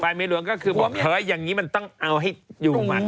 ไม่หลวงก็คือบอกเฮ้ยอย่างนี้มันต้องเอาให้อยู่มัน